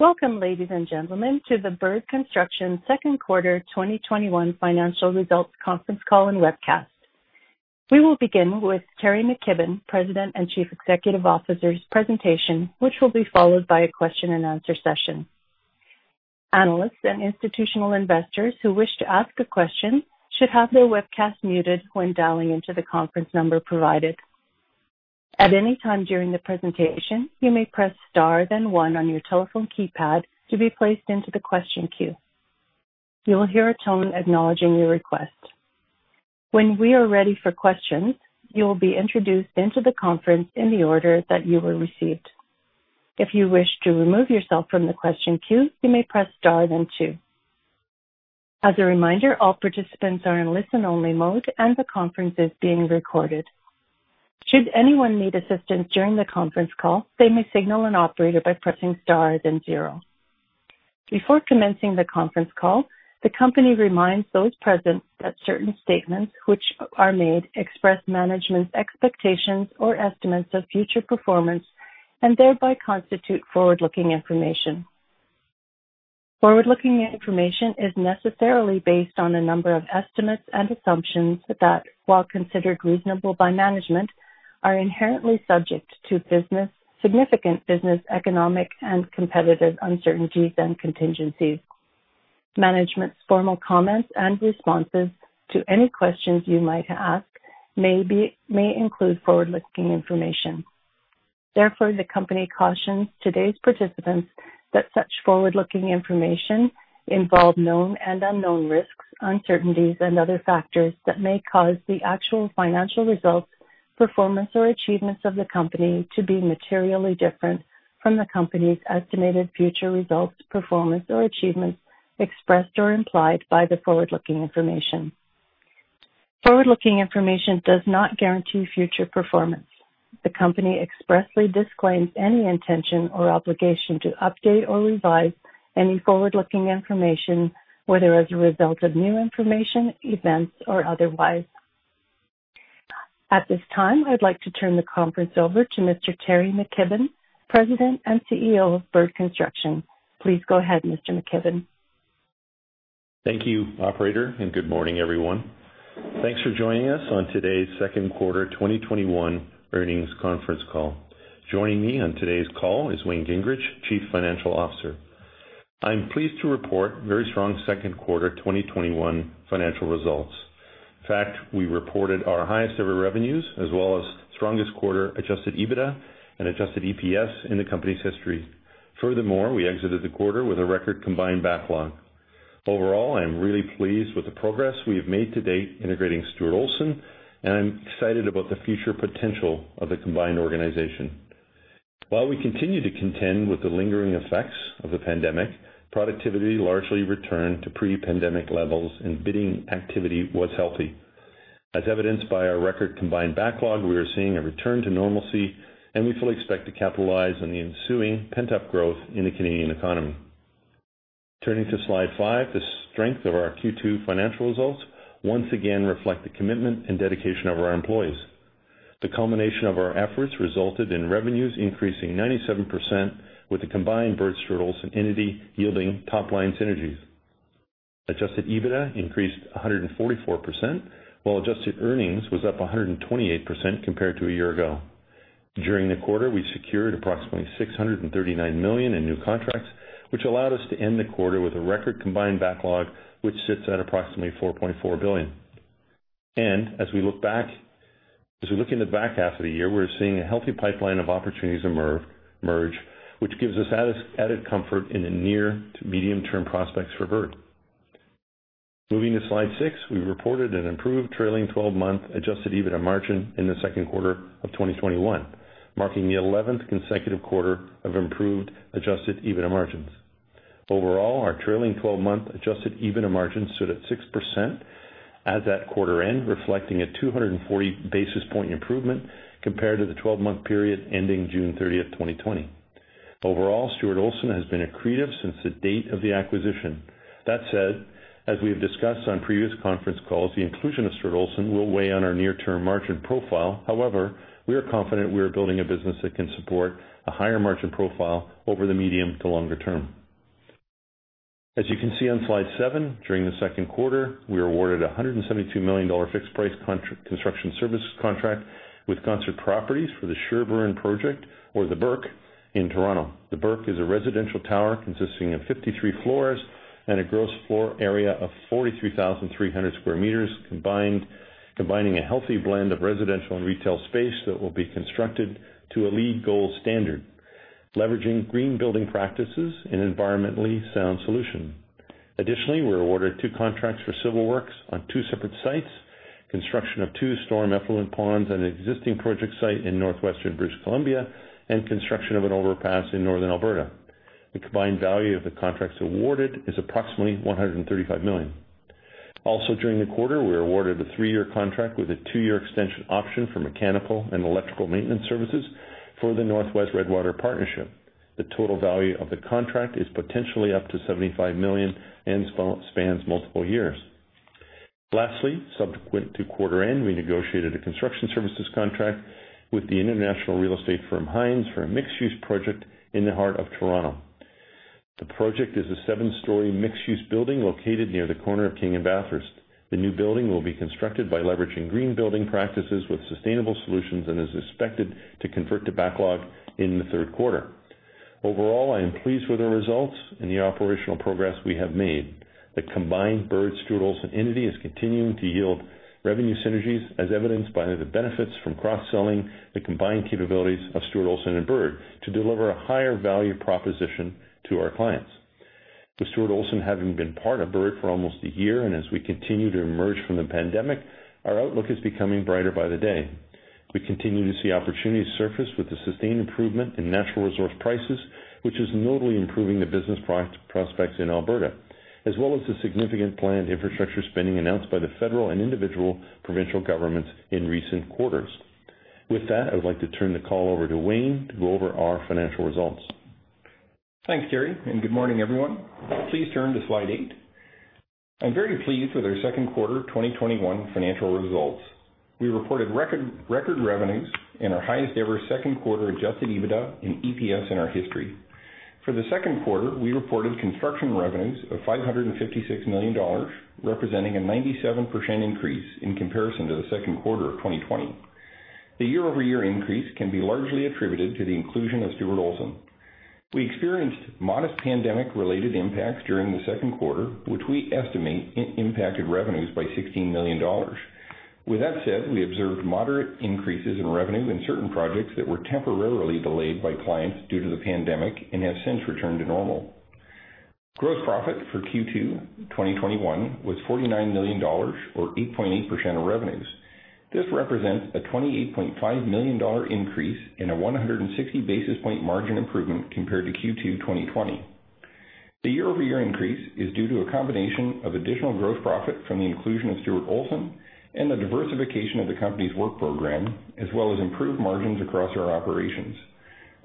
Welcome, ladies and gentlemen, to the Bird Construction second quarter 2021 financial results conference call and webcast. We will begin with Teri McKibbon, President and Chief Executive Officer's presentation, which will be followed by a question-and-answer session. Analysts and institutional investors who wish to ask a question should have their webcast muted when dialing into the conference number provided. At any time during the presentation, you may press star then one on your telephone keypad to be placed into the question queue. You will hear a tone acknowledging your request. When we are ready for questions, you will be introduced into the conference in the order that you were received. If you wish to remove yourself from the question queue, you may press star then two. As a reminder, all participants are in listen-only mode, and the conference is being recorded. Should anyone need assistance during the conference call, they may signal an operator by pressing star then zero. Before commencing the conference call, the company reminds those present that certain statements that are made express management's expectations or estimates of future performance and thereby constitute forward-looking information. Forward-looking information is necessarily based on a number of estimates and assumptions that, while considered reasonable by management, are inherently subject to significant business, economic, and competitive uncertainties and contingencies. Management's formal comments and responses to any questions you might ask may include forward-looking information. Therefore, the company cautions today's participants that such forward-looking information involves known and unknown risks, uncertainties, and other factors that may cause the actual financial results, performance, or achievements of the company to be materially different from the company's estimated future results, performance, or achievements expressed or implied by the forward-looking information. Forward-looking information does not guarantee future performance. The company expressly disclaims any intention or obligation to update or revise any forward-looking information, whether as a result of new information, events, or otherwise. At this time, I'd like to turn the conference over to Mr. Teri McKibbon, President and CEO of Bird Construction. Please go ahead, Mr. McKibbon. Thank you, operator, and good morning, everyone. Thanks for joining us on today's second quarter 2021 earnings conference call. Joining me on today's call is Wayne Gingrich, Chief Financial Officer. I'm pleased to report very strong second quarter 2021 financial results. In fact, we reported our highest ever revenues as well as the strongest quarter Adjusted EBITDA and adjusted EPS in the company's history. Furthermore, we exited the quarter with a record combined backlog. Overall, I am really pleased with the progress we have made to date in integrating Stuart Olson, and I'm excited about the future potential of the combined organization. While we continue to contend with the lingering effects of the pandemic, productivity largely returned to pre-pandemic levels and bidding activity was healthy. As evidenced by our record combined backlog, we are seeing a return to normalcy, and we fully expect to capitalize on the ensuing pent-up growth in the Canadian economy. Turning to slide five, the strength of our Q2 financial results once again reflects the commitment and dedication of our employees. The culmination of our efforts resulted in revenues increasing 97%, with the combined Bird-Stuart Olson entity yielding top-line synergies. Adjusted EBITDA increased 144%, while adjusted earnings were up 128% compared to a year ago. During the quarter, we secured approximately 639 million in new contracts, which allowed us to end the quarter with a record combined backlog, which sits at approximately 4.4 billion. As we look in the back half of the year, we're seeing a healthy pipeline of opportunities emerge, which gives us added comfort in the near to medium-term prospects for Bird. Moving to slide six, we reported an improved trailing 12-month Adjusted EBITDA margin in the second quarter of 2021, marking the 11th consecutive quarter of improved Adjusted EBITDA margins. Overall, our trailing 12-month Adjusted EBITDA margins stood at 6% as at quarter end, reflecting a 240 basis point improvement compared to the 12-month period ending June 30th, 2020. Overall, Stuart Olson has been accretive since the date of the acquisition. That said, as we have discussed on previous conference calls, the inclusion of Stuart Olson will weigh on our near-term margin profile. However, we are confident we are building a business that can support a higher margin profile over the medium to longer term. As you can see on slide seven, during the second quarter, we were awarded 172 million dollar fixed price construction service contract with Concert Properties for the Sherbourne Project or The Burke in Toronto. The Burke is a residential tower consisting of 53 floors and a gross floor area of 43,300 sq m, combining a healthy blend of residential and retail space that will be constructed to a LEED Gold standard, leveraging green building practices and environmentally sound solutions. Additionally, we were awarded two contracts for civil works on two separate sites: the construction of two storm effluent ponds at an existing project site in Northwestern British Columbia and the construction of an overpass in Northern Alberta. The combined value of the contracts awarded is approximately 135 million. Also, during the quarter, we were awarded a three-year contract with a two-year extension option for mechanical and electrical maintenance services for the North West Redwater Partnership. The total value of the contract is potentially up to 75 million and spans multiple years. Lastly, subsequent to quarter end, we negotiated a construction services contract with the international real estate firm Hines for a mixed-use project in the heart of Toronto. The project is a seven-story mixed-use building located near the corner of King and Bathurst. The new building will be constructed by leveraging green building practices with sustainable solutions and is expected to convert to backlog in the third quarter. Overall, I am pleased with the results and the operational progress we have made. The combined Bird-Stuart Olson entity is continuing to yield revenue synergies as evidenced by the benefits from cross-selling the combined capabilities of Stuart Olson and Bird to deliver a higher value proposition to our clients. With Stuart Olson having been part of Bird for almost 1 year, and as we continue to emerge from the pandemic, our outlook is becoming brighter by the day. We continue to see opportunities surface with the sustained improvement in natural resource prices, which is notably improving the business prospects in Alberta. As well as the significant planned infrastructure spending announced by the federal and individual provincial governments in recent quarters. With that, I would like to turn the call over to Wayne to go over our financial results. Thanks, Teri. Good morning, everyone. Please turn to slide eight. I'm very pleased with our second quarter 2021 financial results. We reported record revenues and our highest-ever second quarter Adjusted EBITDA and EPS in our history. For the second quarter, we reported construction revenues of 556 million dollars, representing a 97% increase in comparison to the second quarter of 2020. The year-over-year increase can be largely attributed to the inclusion of Stuart Olson. We experienced modest pandemic-related impacts during the second quarter, which we estimate impacted revenues by 16 million dollars. With that said, we observed moderate increases in revenue in certain projects that were temporarily delayed by clients due to the pandemic and have since returned to normal. Gross profit for Q2 2021 was 49 million dollars or 8.8% of revenues. This represents a 28.5 million dollar increase and a 160 basis point margin improvement compared to Q2 2020. The year-over-year increase is due to a combination of additional gross profit from the inclusion of Stuart Olson and the diversification of the company's work program, as well as improved margins across our operations.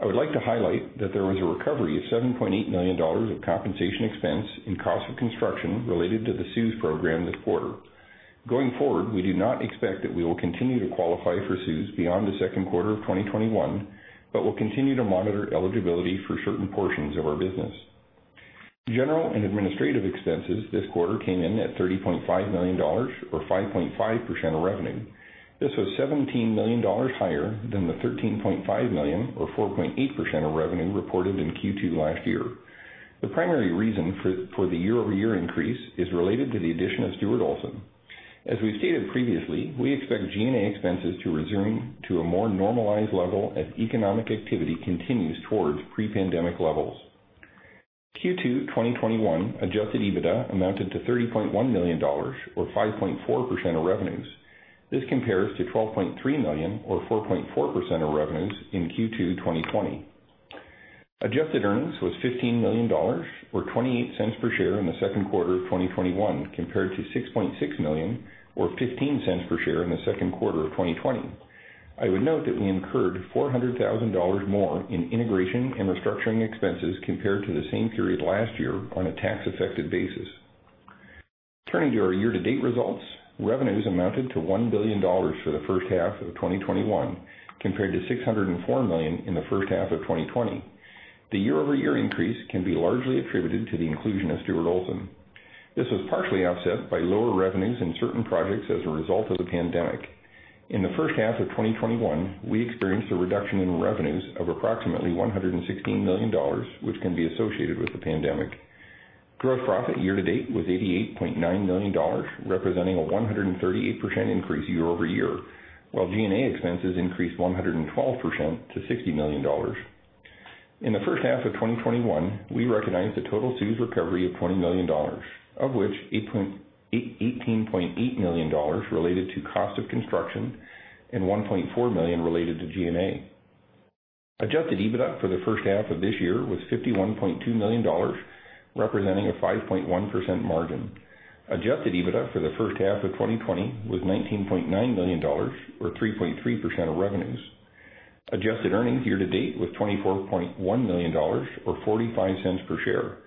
I would like to highlight that there was a recovery of 7.8 million dollars of compensation expense in the cost of construction related to the CEWS program this quarter. Going forward, we do not expect that we will continue to qualify for CEWS beyond the second quarter of 2021, but we will continue to monitor eligibility for certain portions of our business. General and administrative expenses this quarter came in at 30.5 million dollars, or 5.5% of revenue. This was 17 million dollars higher than the 13.5 million or 4.8% of revenue reported in Q2 last year. The primary reason for the year-over-year increase is related to the addition of Stuart Olson. As we've stated previously, we expect G&A expenses to resume to a more normalized level as economic activity continues towards pre-pandemic levels. Q2 2021 Adjusted EBITDA amounted to 30.1 million dollars or 5.4% of revenues. This compares to 12.3 million or 4.4% of revenues in Q2 2020. Adjusted earnings were 15 million dollars or 0.28 per share in the second quarter of 2021, compared to 6.6 million or 0.15 per share in the second quarter of 2020. I would note that we incurred 400,000 dollars more in integration and restructuring expenses compared to the same period last year on a tax-effective basis. Turning to our year-to-date results, revenues amounted to 1 billion dollars for the first half of 2021, compared to 604 million in the first half of 2020. The year-over-year increase can be largely attributed to the inclusion of Stuart Olson. This was partially offset by lower revenues in certain projects as a result of the pandemic. In the first half of 2021, we experienced a reduction in revenues of approximately 116 million dollars, which can be associated with the pandemic. Gross profit year to date was 88.9 million dollars, representing a 138% increase year-over-year, while G&A expenses increased 112% to 60 million dollars. In the first half of 2021, we recognized a total CEWS recovery of 20 million dollars, of which 18.8 million dollars related to the cost of construction and 1.4 million related to G&A. Adjusted EBITDA for the first half of this year was 51.2 million dollars, representing a 5.1% margin. Adjusted EBITDA for the first half of 2020 was 19.9 million dollars or 3.3% of revenues. Adjusted earnings year-to-date were 24.1 million dollars or 0.45 per share.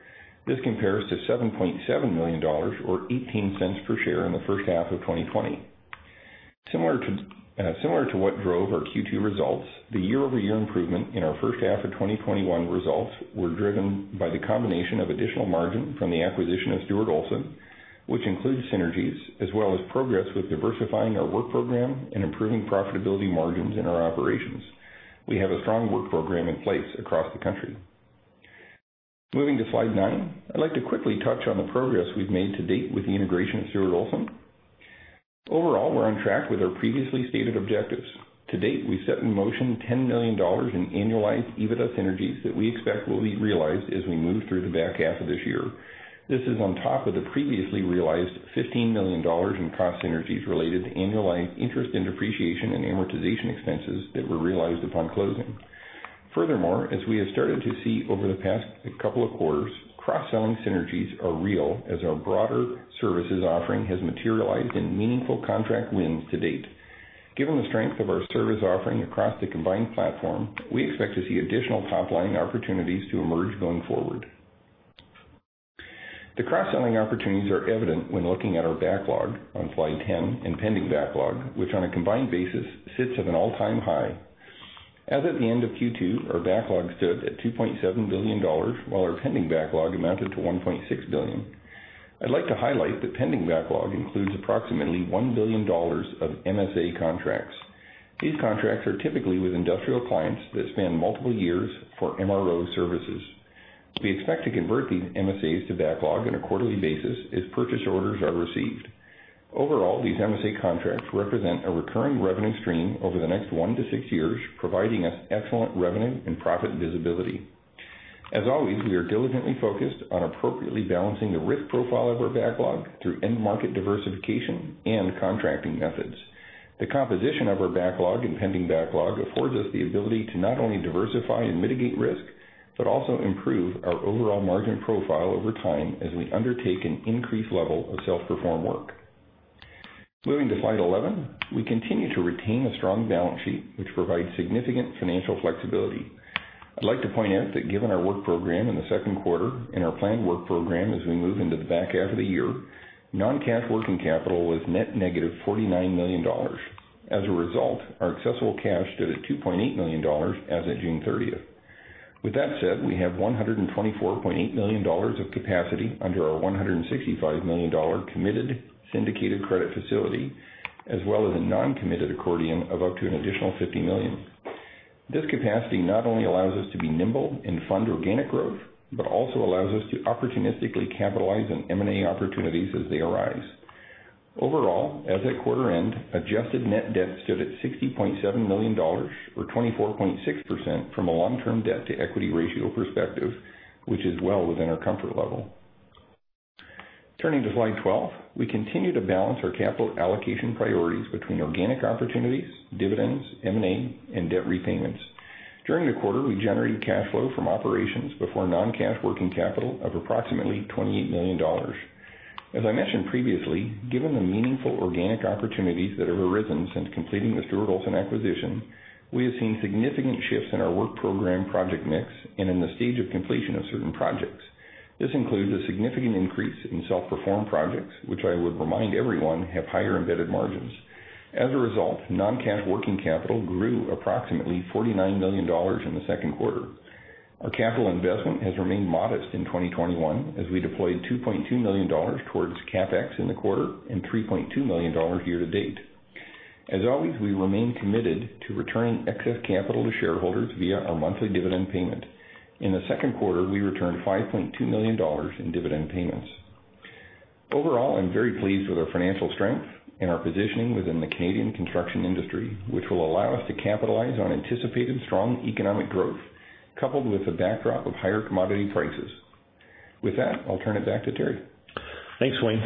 This compares to 7.7 million dollars or 0.18 per share in the first half of 2020. Similar to what drove our Q2 results, the year-over-year improvement in our first half of 2021 results was driven by the combination of additional margin from the acquisition of Stuart Olson, which includes synergies, as well as progress with diversifying our work program and improving profitability margins in our operations. We have a strong work program in place across the country. Moving to slide nine, I'd like to quickly touch on the progress we've made to date with the integration of Stuart Olson. Overall, we're on track with our previously stated objectives. To date, we've set in motion 10 million dollars in annualized EBITDA synergies that we expect will be realized as we move through the back half of this year. This is on top of the previously realized 15 million dollars in cost synergies related to annualized interest, depreciation, and amortization expenses that were realized upon closing. As we have started to see over the past couple of quarters, cross-selling synergies are real, as our broader services offering has materialized in meaningful contract wins to date. Given the strength of our service offering across the combined platform, we expect to see additional top-line opportunities to emerge going forward. The cross-selling opportunities are evident when looking at our backlog on slide 10 and pending backlog, which on a combined basis sits at an all-time high. As of the end of Q2, our backlog stood at 2.7 billion dollars, while our pending backlog amounted to 1.6 billion. I'd like to highlight that the pending backlog includes approximately 1 billion dollars of MSA contracts. These contracts are typically with industrial clients that span multiple years for MRO services. We expect to convert these MSAs to backlog on a quarterly basis as purchase orders are received. Overall, these MSA contracts represent a recurring revenue stream over the next one to six years, providing us with excellent revenue and profit visibility. As always, we are diligently focused on appropriately balancing the risk profile of our backlog through end-market diversification and contracting methods. The composition of our backlog and pending backlog affords us the ability to not only diversify and mitigate risk, but also improve our overall margin profile over time as we undertake an increased level of self-perform work. Moving to slide 11. We continue to retain a strong balance sheet, which provides significant financial flexibility. I'd like to point out that, given our work program in the second quarter and our planned work program as we move into the back half of the year, non-cash working capital was net -49 million dollars. As a result, our accessible cash stood at 2.8 million dollars as of June 30th. With that said, we have 124.8 million dollars of capacity under our 165 million dollar committed syndicated credit facility, as well as a non-committed accordion of up to an additional 50 million. This capacity not only allows us to be nimble and fund organic growth, but also allows us to opportunistically capitalize on M&A opportunities as they arise. Overall, as at quarter end, adjusted net debt stood at 60.7 million dollars or 24.6% from a long-term debt-to-equity ratio perspective, which is well within our comfort level. Turning to slide 12. We continue to balance our capital allocation priorities between organic opportunities, dividends, M&A, and debt repayments. During the quarter, we generated cash flow from operations before non-cash working capital of approximately 28 million dollars. As I mentioned previously, given the meaningful organic opportunities that have arisen since completing the Stuart Olson acquisition, we have seen significant shifts in our work program project mix and in the stage of completion of certain projects. This includes a significant increase in self-perform projects, which I would remind everyone have higher embedded margins. As a result, non-cash working capital grew approximately 49 million dollars in the second quarter. Our capital investment has remained modest in 2021, as we deployed 2.2 million dollars towards CapEx in the quarter and 3.2 million dollars year to date. As always, we remain committed to returning excess capital to shareholders via our monthly dividend payment. In the second quarter, we returned 5.2 million dollars in dividend payments. Overall, I'm very pleased with our financial strength and our positioning within the Canadian construction industry, which will allow us to capitalize on anticipated strong economic growth, coupled with a backdrop of higher commodity prices. With that, I'll turn it back to Teri. Thanks, Wayne.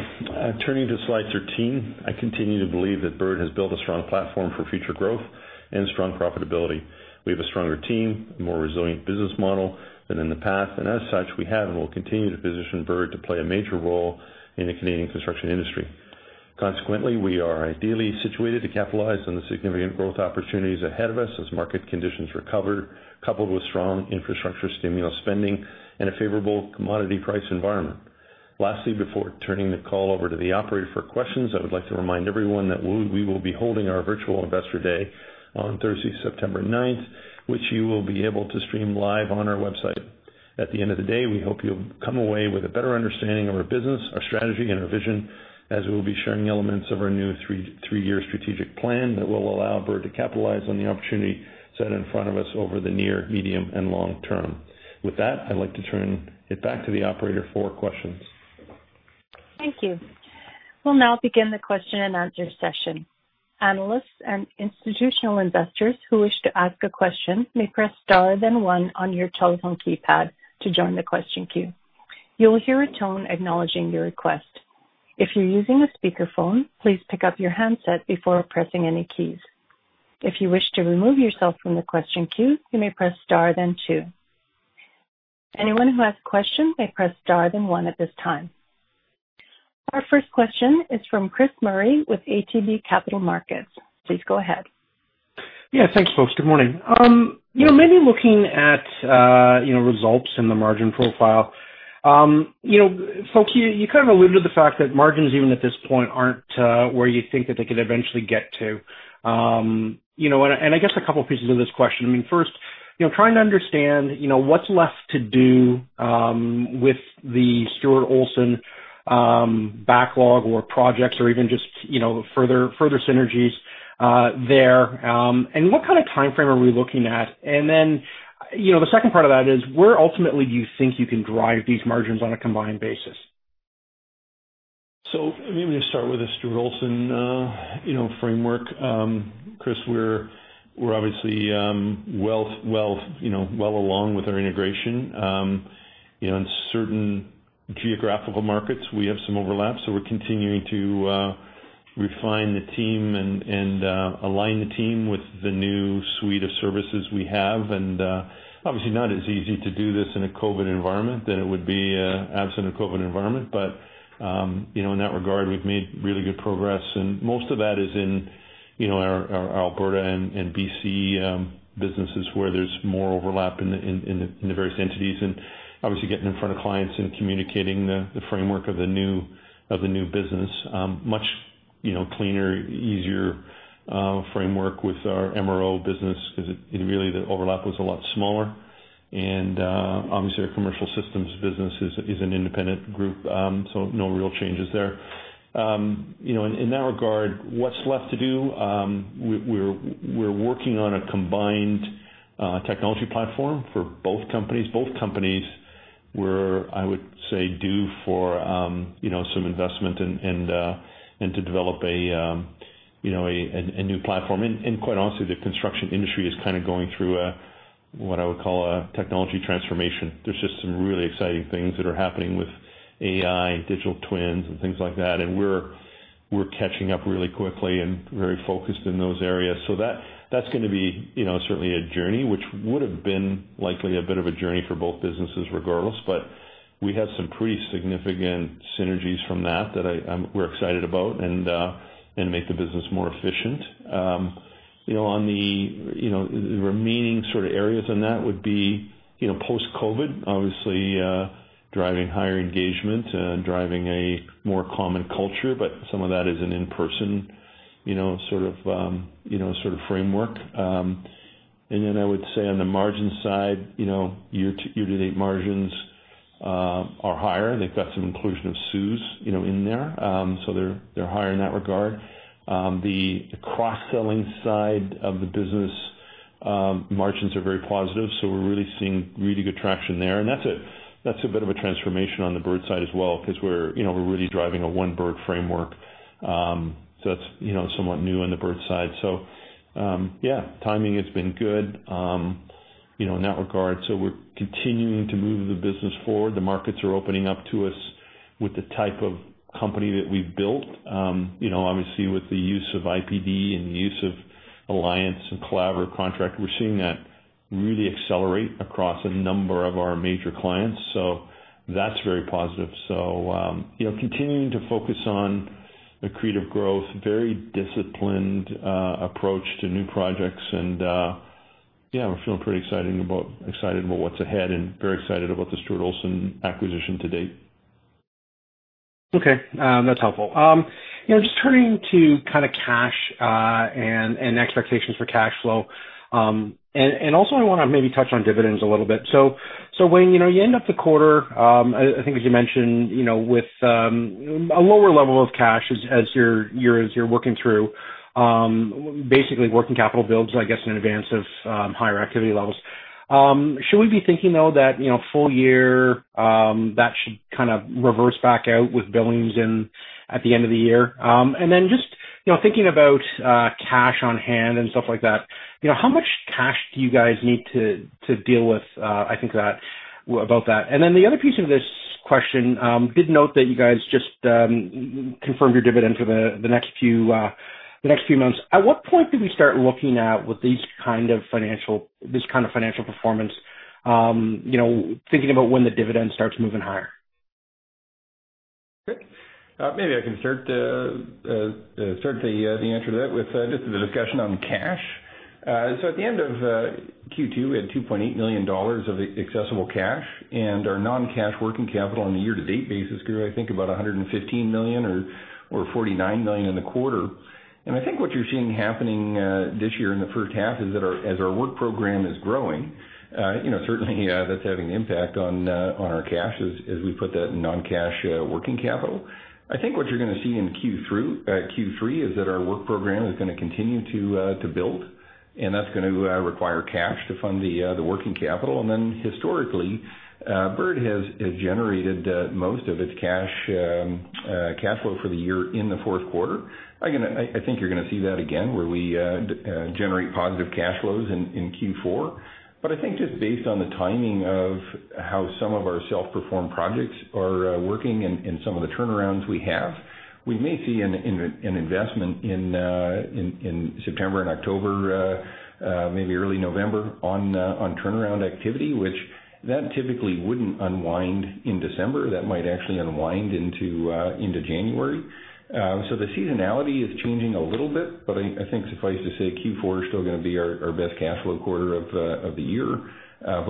Turning to slide 13. I continue to believe that Bird has built a strong platform for future growth and strong profitability. We have a stronger team, a more resilient business model than in the past, and as such, we have and will continue to position Bird to play a major role in the Canadian construction industry. Consequently, we are ideally situated to capitalize on the significant growth opportunities ahead of us as market conditions recover, coupled with strong infrastructure stimulus spending and a favorable commodity price environment. Lastly, before turning the call over to the operator for questions, I would like to remind everyone that we will be holding our virtual Investor Day on Thursday, September 9th, which you will be able to stream live on our website. At the end of the day, we hope you'll come away with a better understanding of our business, our strategy, and our vision, as we will be sharing elements of our new three-year strategic plan that will allow Bird to capitalize on the opportunity set in front of us over the near, medium, and long term. With that, I'd like to turn it back to the operator for questions. Thank you. We'll now begin the question-and-answer session. Analysts and institutional investors who wish to ask a question may press star then one on your telephone keypad to join the question queue. You will hear a tone acknowledging your request. If you're using a speakerphone, please pick up your handset before pressing any keys. If you wish to remove yourself from the question queue, you may press star then two. Anyone who has questions may press star then one at this time. Our first question is from Chris Murray with ATB Capital Markets. Please go ahead. Yeah. Thanks, folks. Good morning. Maybe looking at the results in the margin profile. Folks, you kind of alluded to the fact that margins even at this point aren't where you think that they could eventually get to. I guess a couple of pieces of this question. First, trying to understand what's left to do with the Stuart Olson backlog, projects, or even just further synergies there. What kind of timeframe are we looking at? Then, the second part of that is, where ultimately do you think you can drive these margins on a combined basis? Maybe to start with the Stuart Olson framework, Chris, we're obviously well along with our integration. In certain geographical markets, we have some overlap, so we're continuing to refine the team and align the team with the new suite of services we have. Obviously not as easy to do this in a COVID environment than it would be absent a COVID-19 environment. In that regard, we've made really good progress, and most of that is in our Alberta and B.C. businesses, where there's more overlap in the various entities, and obviously getting in front of clients and communicating the framework of the new business. Much cleaner, easier framework with our MRO business because the overlap was a lot smaller. Obviously, our Commercial Systems business is an independent group, so no real changes there. In that regard, what's left to do? We're working on a combined technology platform for both companies. Both companies were, I would say, due for some investment and to develop a new platform. Quite honestly, the construction industry is kind of going through what I would call a technology transformation. There are just some really exciting things that are happening with AI and digital twins and things like that, and we're catching up really quickly and are very focused on those areas. That's going to be certainly a journey, which would've been likely a bit of a journey for both businesses regardless. We had some pretty significant synergies from that, which we're excited about, and make the business more efficient. On the remaining sort of areas that would be post-COVID, obviously, driving higher engagement, driving a more common culture, but some of that is an in-person sort of framework. I would say on the margin side, year-to-date margins are higher. They've got some inclusion of CEWS in there. They're higher in that regard. The cross-selling side of the business margins are very positive. We're really seeing really good traction there, and that's a bit of a transformation on the Bird side as well, because we're really driving a One Bird framework. That's somewhat new on the Bird side. Yeah. Timing has been good in that regard. We're continuing to move the business forward. The markets are opening up to us with the type of company that we've built. Obviously, with the use of IPD and the use of alliance and collaborative contracts, we're seeing that really accelerate across a number of our major clients. That's very positive. Continuing to focus on accretive growth, a very disciplined approach to new projects, and, yeah, we're feeling pretty excited about what's ahead and very excited about the Stuart Olson acquisition to date. Okay. That's helpful. Just turning to kind of cash and expectations for cash flow. Also, I want to maybe touch on dividends a little bit. Wayne, you end up the quarter, I think, as you mentioned, with a lower level of cash as you're working through, basically working capital builds, I guess, in advance of higher activity levels. Should we be thinking, though, that full year, that should kind of reverse back out with billings at the end of the year? Just thinking about cash on hand and stuff like that, how much cash do you guys need to deal with, I think, about that? The other piece of this question, did you note that you guys just confirmed your dividend for the next few months? At what point do we start looking at, with this kind of financial performance, thinking about when the dividend starts moving higher? Okay. Maybe I can start the answer to that with just the discussion on cash. At the end of Q2, we had 2.8 million dollars of accessible cash, and our non-cash working capital on a year-to-date basis grew, I think, about 115 million or 49 million in the quarter. I think what you're seeing happening this year in the first half is that as our work program is growing, certainly that's having an impact on our cash as we put that in non-cash working capital. Historically, Bird has generated most of its cash flow for the year in the fourth quarter. I think you're gonna see that again, where we generate positive cash flows in Q4. I think just based on the timing of how some of our self-perform projects are working and some of the turnarounds we have, we may see an investment in September and October, maybe early November, on turnaround activity, which typically wouldn't unwind in December. That might actually unwind into January. The seasonality is changing a little bit, but I think suffice to say, Q4 is still gonna be our best cash flow quarter of the year.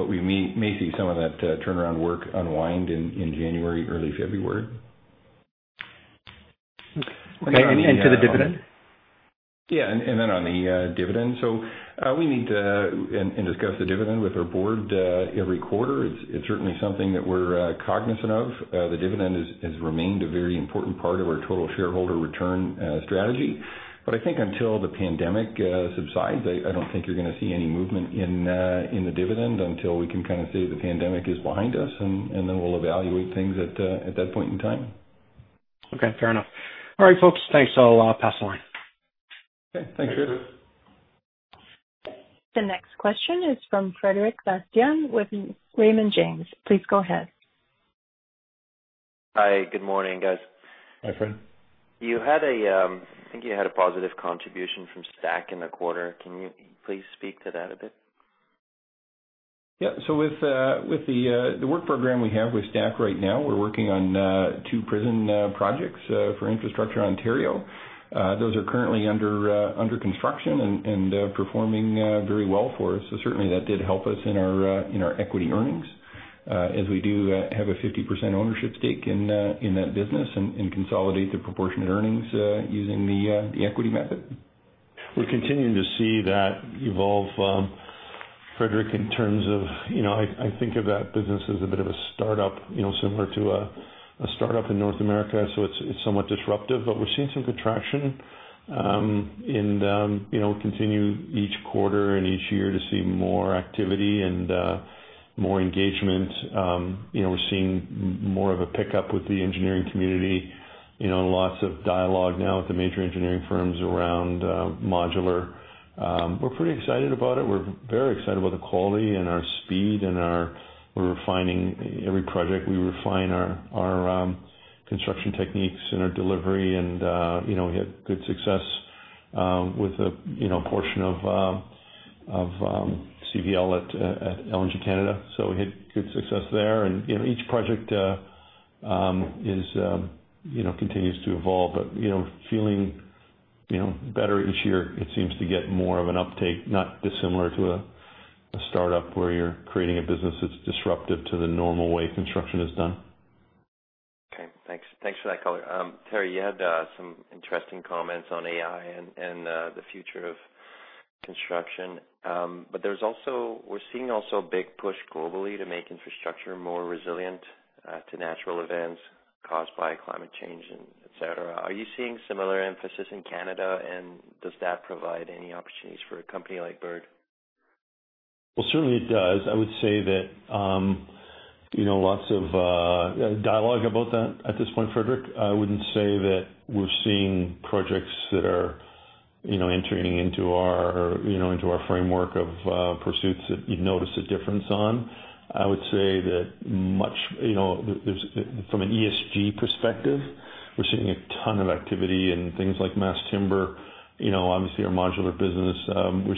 We may see some of that turnaround work unwind in January, early February. Okay. To the dividend? Yeah. On the dividend. We need to discuss the dividend with our Board every quarter. It's certainly something that we're cognizant of. The dividend has remained a very important part of our total shareholder return strategy. I think until the pandemic subsides, I don't think you're going to see any movement in the dividend until we can kind of say the pandemic is behind us, and then we'll evaluate things at that point in time. Okay, fair enough. All right, folks, thanks. I'll pass the line. Okay. Thanks. The next question is from Frederic Bastien with Raymond James. Please go ahead. Hi. Good morning, guys. Hi, Fred. I think you had a positive contribution from Stack in the quarter. Can you please speak to that a bit? Yeah. With the work program we have with Stack right now, we're working on two prison projects for Infrastructure Ontario. Those are currently under construction and performing very well for us. Certainly, that did help us in our equity earnings. We do have a 50% ownership stake in that business and consolidate the proportionate earnings using the equity method. We're continuing to see that evolve, Frederic, in terms of, I think of that business as a bit of a startup, similar to a startup in North America. It's somewhat disruptive, but we're seeing some contraction, and we continue each quarter and each year to see more activity and more engagement. We're seeing more of a pickup with the engineering community. Lots of dialogue now with the major engineering firms around modular. We're pretty excited about it. We're very excited about the quality and our speed, and we're refining every project. We refine our construction techniques and our delivery, and we have had good success with a portion of CVL at LNG Canada. We had good success there, and each project continues to evolve, but feeling better each year. It seems to get more of an uptake, not dissimilar to a startup where you're creating a business that's disruptive to the normal way construction is done. Okay. Thanks for that color. Teri, you had some interesting comments on AI and the future of construction. We're also seeing a big push globally to make infrastructure more resilient to natural events caused by climate change, et cetera. Are you seeing similar emphasis in Canada, and does that provide any opportunities for a company like Bird? Well, certainly it does. I would say that lots of dialogue about that at this point, Frederic. I wouldn't say that we're seeing projects that are entering into our framework of pursuits that you'd notice a difference in. I would say that from an ESG perspective, we're seeing a ton of activity in things like mass timber, obviously, our modular business. We're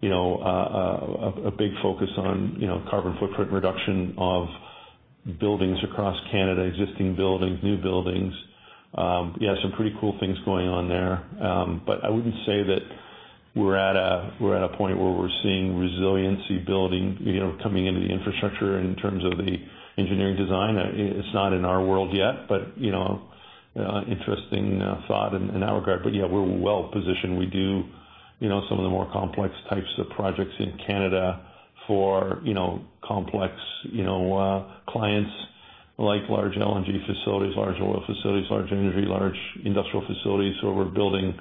seeing a big focus on carbon footprint reduction of buildings across Canada, existing buildings, and new buildings. Yeah, some pretty cool things are going on there. I wouldn't say that we're at a point where we're seeing resiliency building coming into the infrastructure in terms of the engineering design. It's not in our world yet, but an interesting thought in that regard. Yeah, we're well positioned. We do some of the more complex types of projects in Canada for complex clients, like large LNG facilities, large oil facilities, large energy, and large industrial facilities. We're building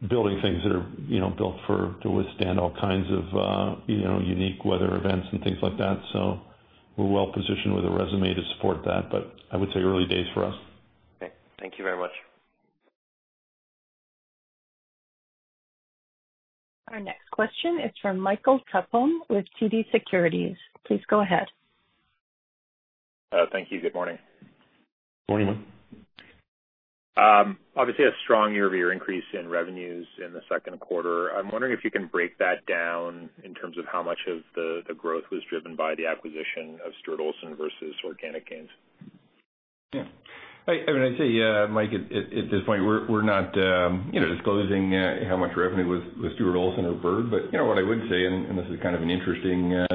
things that are built to withstand all kinds of unique weather events and things like that. We're well positioned with a resume to support that. I would say early days for us. Okay. Thank you very much. Our next question is from Michael Tupholme with TD Securities. Please go ahead. Thank you. Good morning. Morning, Mike. Obviously, a strong year-over-year increase in revenues in the second quarter. I'm wondering if you can break that down in terms of how much of the growth was driven by the acquisition of Stuart Olson versus organic gains? Yeah. I would say, Mike, at this point, we're not disclosing how much revenue was Stuart Olson or Bird, but what I would say, and this is kind of an interesting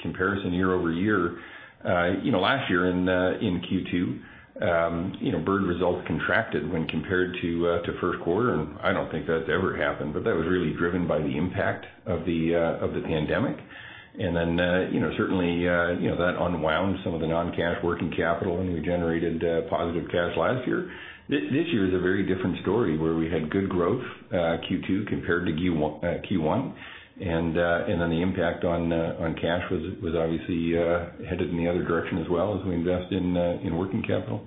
comparison year-over-year. Last year in Q2, Bird's results contracted when compared to first quarter, and I don't think that's ever happened, but that was really driven by the impact of the pandemic. Certainly, that unwound some of the non-cash working capital, and we generated positive cash last year. This year is a very different story, where we had good growth, Q2 compared to Q1. The impact on cash was obviously headed in the other direction as well, as we invest in working capital.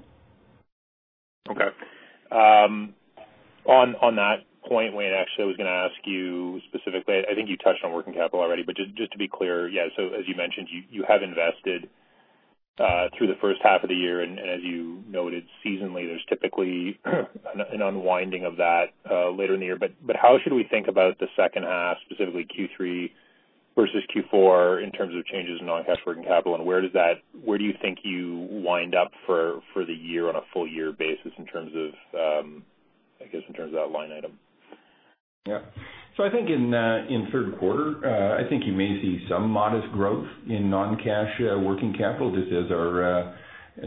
Okay. On that point, Wayne, actually, I was going to ask you specifically, I think you touched on working capital already, but just to be clear, yeah, so as you mentioned, you have invested through the first half of the year, and as you noted seasonally, there's typically an unwinding of that later in the year. How should we think about the second half, specifically Q3 versus Q4, in terms of changes in non-cash working capital, and where do you think you wind up for the year on a full-year basis, I guess, in terms of that line item? I think in third quarter, I think you may see some modest growth in non-cash working capital, just as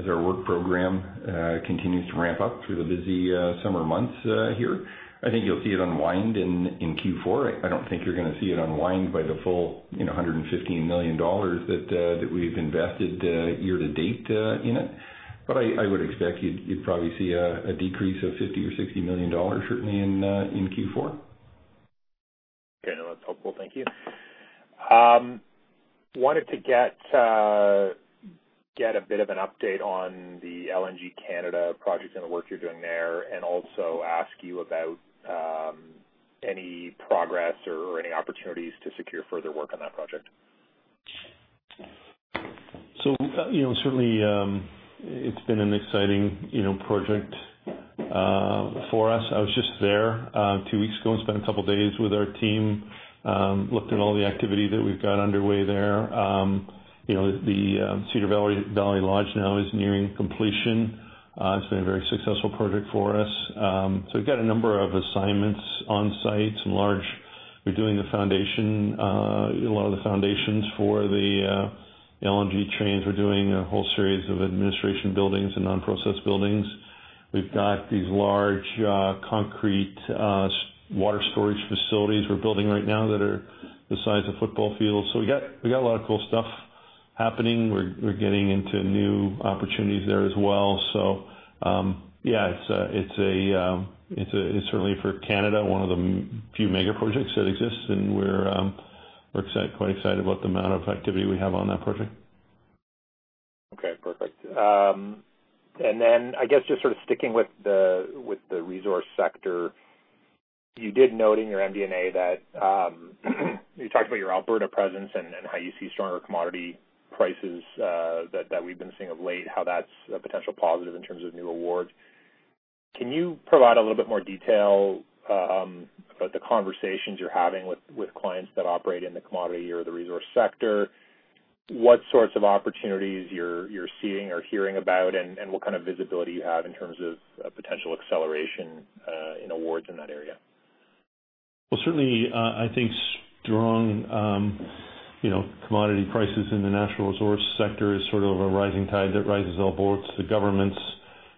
our work program continues to ramp up through the busy summer months here. I think you'll see it unwind in Q4. I don't think you're going to see it unwind by the full 115 million dollars that we've invested year to date in it. I would expect you'd probably see a decrease of 50 million-60 million dollars certainly in Q4. Okay. No, that's helpful. Thank you. I wanted to get a bit of an update on the LNG Canada projects and the work you're doing there, and also ask you about any progress or any opportunities to secure further work on that project. Certainly, it's been an exciting project for us. I was just there two weeks ago and spent a couple of days with our team, looking at all the activity that we've got underway there. The Cedar Valley Lodge is now nearing completion. It's been a very successful project for us. We've got a number of assignments on site. We're doing a lot of the foundations for the LNG trains. We're doing a whole series of administration buildings and non-process buildings. We've got these large concrete water storage facilities we're building right now that are the size of football fields. We got a lot of cool stuff happening. We're getting into new opportunities there as well. Yeah, it's certainly, for Canada, one of the few mega projects that exists, and we're quite excited about the amount of activity we have on that project. Okay, perfect. Just sort of sticking with the resource sector, you did note in your MD&A that you talked about your Alberta presence and how you see stronger commodity prices that we've been seeing of late, how that's a potential positive in terms of new awards. Can you provide a little bit more detail about the conversations you're having with clients that operate in the commodity or resource sector? What sorts of opportunities are you seeing or hearing about, and what kind of visibility do you have in terms of a potential acceleration in awards in that area? Certainly, I think strong commodity prices in the natural resource sector are sort of a rising tide that rises all boats. The governments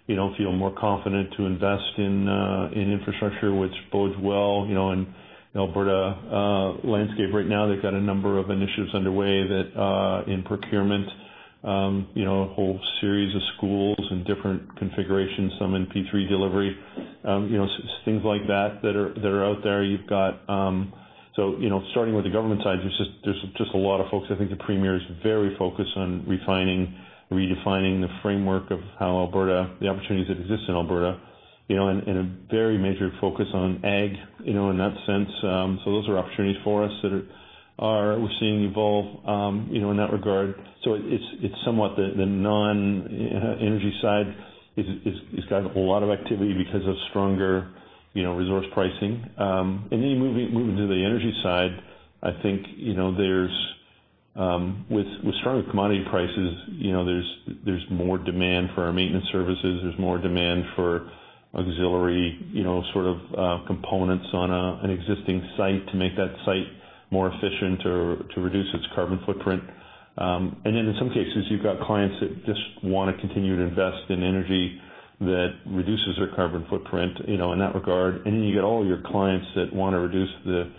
feel more confident to invest in infrastructure, which bodes well. In the Alberta landscape right now, they've got a number of initiatives underway that in procurement, a whole series of schools and different configurations, some in P3 delivery, things like that are out there. Starting with the government side, there are just a lot of folks. I think the premier is very focused on refining, redefining the framework of how Alberta, the opportunities that exist in Alberta, and a very major focus on ag, in that sense. Those are opportunities for us that we're seeing evolve in that regard. It's somewhat that the non-energy side has got a whole lot of activity because of stronger resource pricing. Moving to the energy side, I think, with stronger commodity prices, there's more demand for our maintenance services. There's more demand for auxiliary sorts of components on an existing site to make that site more efficient or to reduce its carbon footprint. In some cases, you've got clients that just want to continue to invest in energy that reduces their carbon footprint, in that regard. You get all your clients who want to reduce the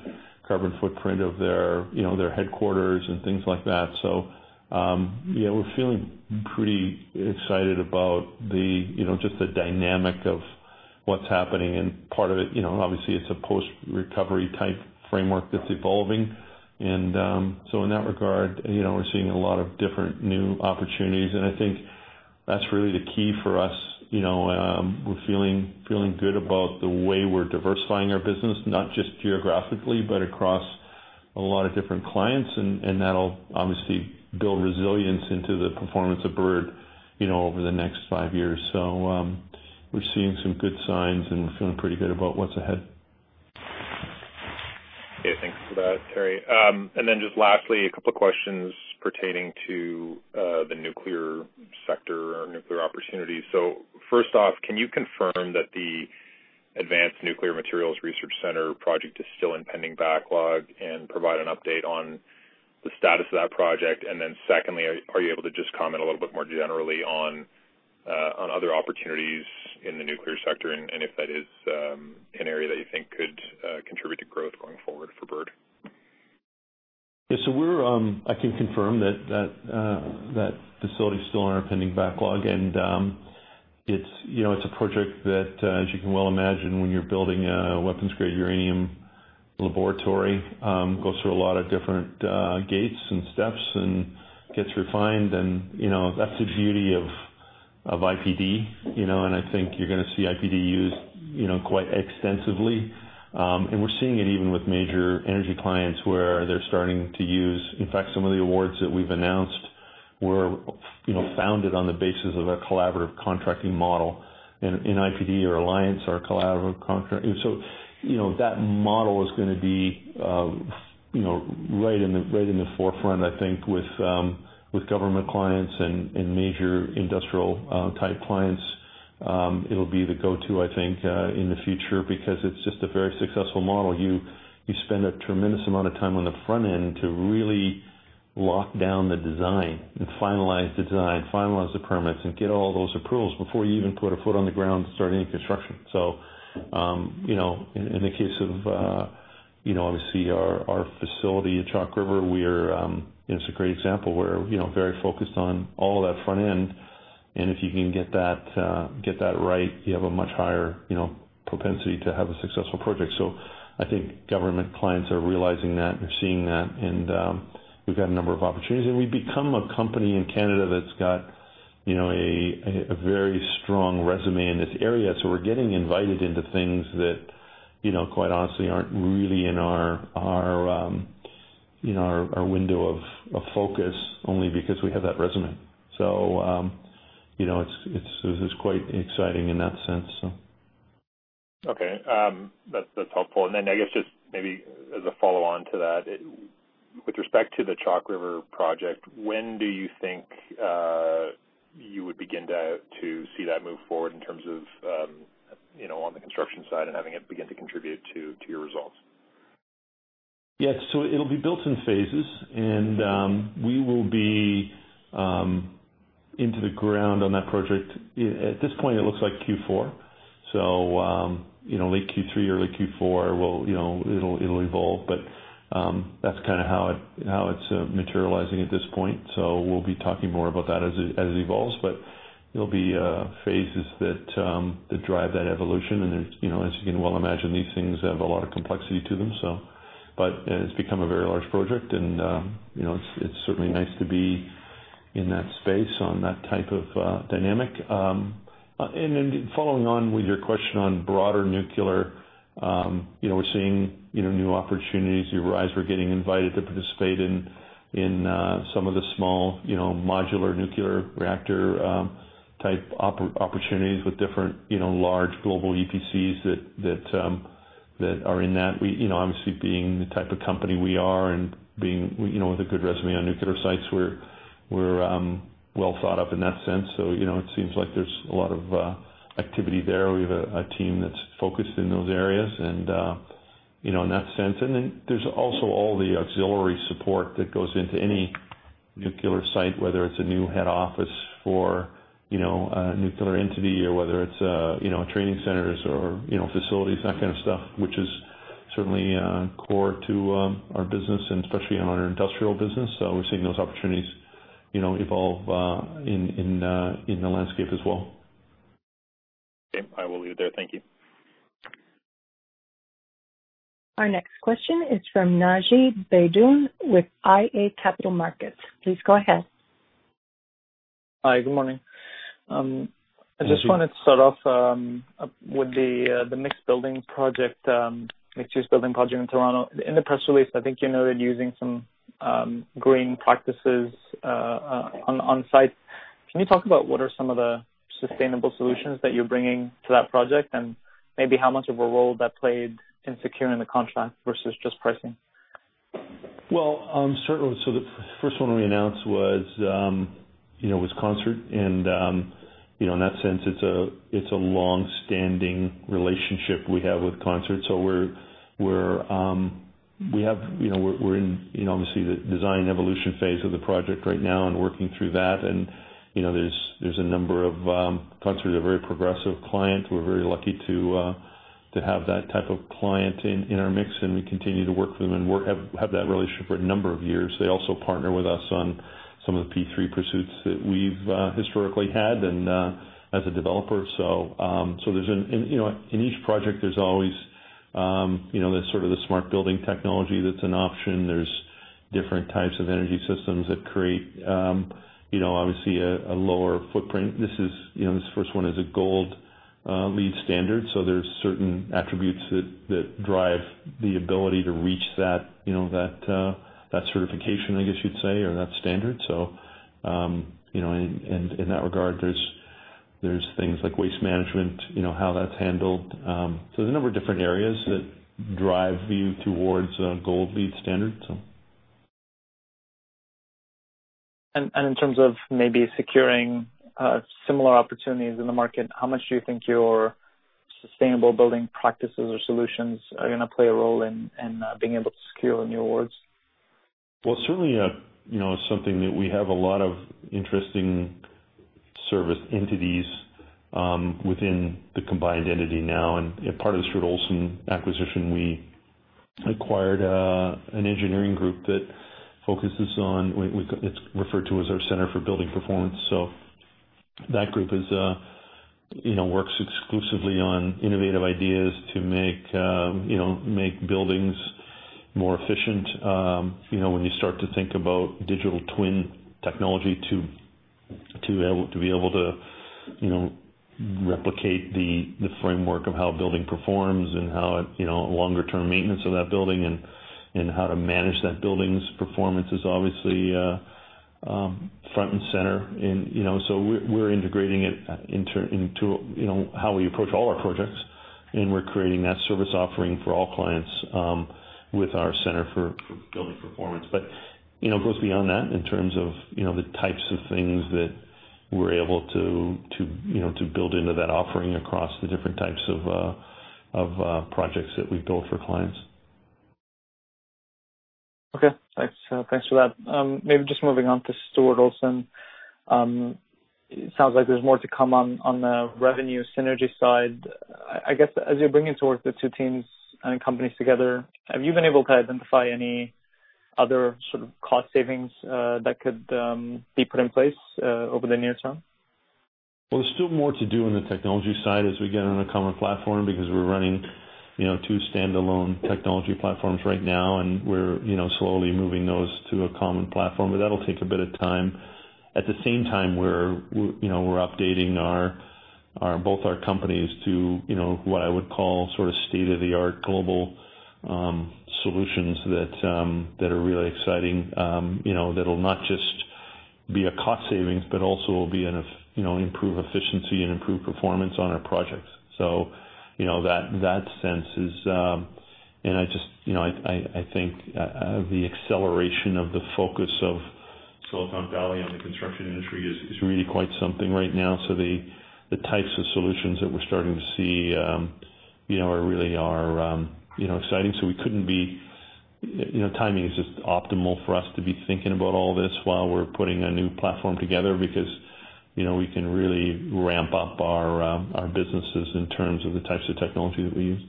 carbon footprint of their headquarters and things like that. Yeah, we're feeling pretty excited about just the dynamic of what's happening. Part of it, obviously, is a post-recovery type framework that's evolving. In that regard, we're seeing a lot of different new opportunities, and I think that's really the key for us. We're feeling good about the way we're diversifying our business, not just geographically, but across a lot of different clients. That'll obviously build resilience into the performance of Bird over the next five years. We're seeing some good signs, and we're feeling pretty good about what's ahead. Okay. Thanks for that, Teri. Then, just lastly, a couple of questions pertaining to the nuclear sector or nuclear opportunities. First off, can you confirm that the Advanced Nuclear Materials Research Centre project is still in the pending backlog and provide an update on the status of that project? Then secondly, are you able to just comment a little bit more generally on other opportunities in the nuclear sector, and if that is an area that you think could contribute to growth going forward for Bird? I can confirm that the facility is still in our pending backlog. It's a project that, as you can well imagine, when you're building a weapons-grade uranium laboratory, goes through a lot of different gates and steps and gets refined. That's the beauty of IPD. I think you're going to see IPD used quite extensively. We're seeing it even with major energy clients. In fact, some of the awards that we've announced were founded on the basis of a collaborative contracting model in IPD, alliance, or collaborative contract. That model is going to be right in the forefront, I think, with government clients and major industrial-type clients. It'll be the go-to, I think, in the future because it's just a very successful model. You spend a tremendous amount of time on the front end to really lock down the design and finalize the design, finalize the permits, and get all those approvals before you even put a foot on the ground to start any construction. In the case of, obviously, our facility at Chalk River, it's a great example. We're very focused on all of that front end, and if you can get that right, you have a much higher propensity to have a successful project. I think government clients are realizing that and seeing that, and we've got a number of opportunities. We've become a company in Canada that's got a very strong resume in this area. We're getting invited into things that, quite honestly, aren't really in our window of focus, only because we have that resume. It's quite exciting in that sense. Okay. That's helpful. I guess just maybe as a follow-on to that. With respect to the Chalk River project, when do you think you would begin to see that move forward in terms of on the construction side and having it begin to contribute to your results? Yeah. It'll be built in phases. We will be into the ground on that project. At this point, it looks like Q4. Late Q3, early Q4. It'll evolve, that's kind of how it's materializing at this point. We'll be talking more about that as it evolves; it'll be phases that drive that evolution. As you can well imagine, these things have a lot of complexity to them. It's become a very large project, and it's certainly nice to be in that space on that type of dynamic. Following on with your question on broader nuclear, we're seeing new opportunities arise. We're getting invited to participate in some of the small modular nuclear reactor-type opportunities with different large global EPCs that are in that. Being the type of company we are, and with a good resume on nuclear sites, we're well thought of in that sense. It seems like there's a lot of activity there. We have a team that's focused on those areas and in that sense. There's also all the auxiliary support that goes into any nuclear site, whether it's a new head office for a nuclear entity or whether it's training centers or facilities, that kind of stuff, which is certainly core to our business and especially in our industrial business. We're seeing those opportunities evolve in the landscape as well. Okay. I will leave it there. Thank you. Our next question is from Naji Baydoun with iA Capital Markets. Please go ahead. Hi. Good morning. Good morning. I just wanted to start off with the mixed-use building project in Toronto. In the press release, I think you noted using some green practices on site. Can you talk about what some of the sustainable solutions are that you're bringing to that project, and maybe how much of a role that played in securing the contract versus just pricing? Well, certainly. The first one we announced was Concert. In that sense, it's a longstanding relationship we have with Concert. We're in, obviously, the design evolution phase of the project right now and working through that. Concert is a very progressive client. We're very lucky to have that type of client in our mix, and we continue to work for them and have that relationship for a number of years. They also partner with us on some of the P3 pursuits that we've historically had, as a developer. In each project, there's always some sort of smart building technology that's an option. There are different types of energy systems that create, obviously, a lower footprint. This first one is a LEED Gold standard, so there are certain attributes that drive the ability to reach that certification, I guess you'd say, or that standard. In that regard, there are things like waste management and how that's handled. There are a number of different areas that drive you towards a LEED Gold standard. In terms of maybe securing similar opportunities in the market, how much do you think your sustainable building practices or solutions are going to play a role in being able to secure new awards? Well, certainly, it's something that we have a lot of interesting service entities within the combined entity now. Part of the Stuart Olson acquisition, we acquired an engineering group that focuses. It's referred to as our Centre for Building Performance. That group works exclusively on innovative ideas to make buildings more efficient. When you start to think about digital twin technology to be able to replicate the framework of how a building performs, and longer-term maintenance of that building, and how to manage that building's performance is obviously front and center. We're integrating it into how we approach all our projects, and we're creating that service offering for all clients with our Centre for Building Performance. It goes beyond that in terms of the types of things that we're able to build into that offering across the different types of projects that we build for clients. Okay. Thanks for that. Maybe just moving on to Stuart Olson. It sounds like there's more to come on the revenue synergy side. I guess, as you're bringing towards the two teams and companies together, have you been able to identify any other sort of cost savings that could be put in place over the near term? There's still more to do on the technology side as we get on a common platform, because we're running two standalone technology platforms right now, and we're slowly moving those to a common platform. That'll take a bit of time. At the same time, we're updating both our companies to what I would call state-of-the-art global solutions that are really exciting, that'll not just be a cost savings, but also will improve efficiency and improve performance on our projects. In that sense, I think the acceleration of the focus of Silicon Valley on the construction industry is really quite something right now. The types of solutions that we're starting to see really are exciting. Timing is just optimal for us to be thinking about all this while we're putting a new platform together, because we can really ramp up our businesses in terms of the types of technology that we use.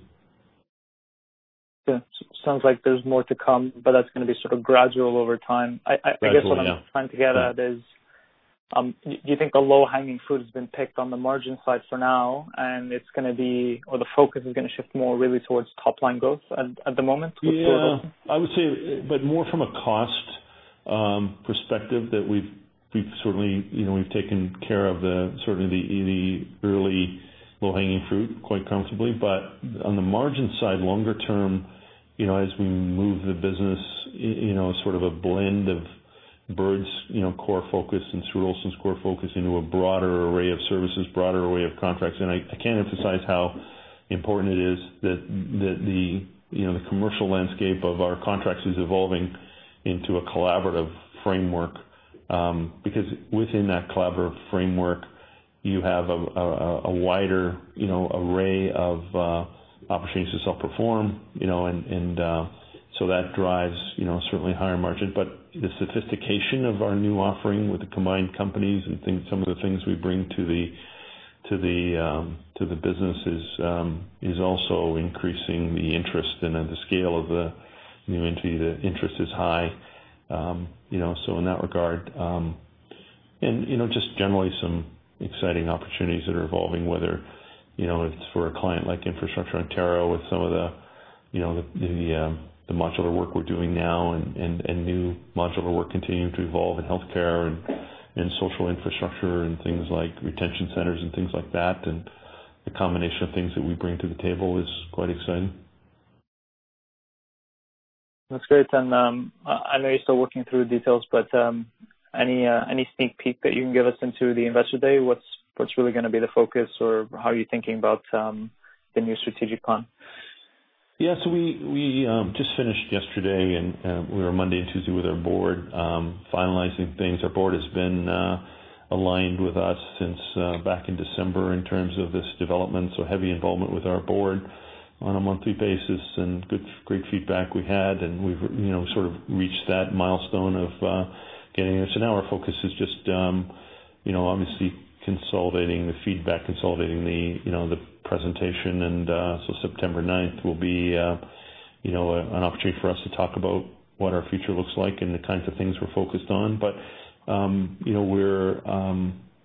Yeah. Sounds like there's more to come, but that's going to be sort of gradual over time. Gradual, yeah. I guess what I'm trying to get at is, do you think the low-hanging fruit has been picked on the margin side for now, and the focus is going to shift more really towards top-line growth at the moment with Stuart Olson? Yeah. I would say, more from a cost perspective, that we've certainly taken care of the early low-hanging fruit quite comfortably. On the margin side, longer term, as we move the business, sort of a blend of Bird's core focus and Stuart Olson's core focus into a broader array of services, broader array of contracts. I can't emphasize how important it is that the commercial landscape of our contracts is evolving into a collaborative framework. Because within that collaborative framework, you have a wider array of opportunities to self-perform. That drives a certainly higher margin. The sophistication of our new offering with the combined companies and some of the things we bring to the business is also increasing the interest and the scale of the new entity. The interest is high. In that regard, and just generally, some exciting opportunities that are evolving, whether it's for a client like Infrastructure Ontario with some of the modular work we're doing now and new modular work continuing to evolve in healthcare and social infrastructure and things like detention centers and things like that. The combination of things that we bring to the table is quite exciting. That's great. I know you're still working through the details, but any sneak peek that you can give us into the Investor Day? What's really going to be the focus, or how are you thinking about the new strategic plan? We just finished yesterday, and we were Monday and Tuesday with our Board finalizing things. Our Board has been aligned with us since back in December in terms of this development. Heavy involvement with our Board on a monthly basis, great feedback we had, we've sort of reached that milestone of getting there. Now our focus is just obviously consolidating the feedback, consolidating the presentation. September 9th will be an opportunity for us to talk about what our future looks like and the kinds of things we're focused on.